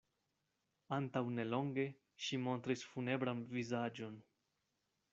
Antaŭ ne longe ŝi montris funebran vizaĝon.